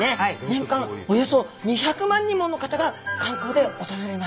年間およそ２００万人もの方が観光で訪れます。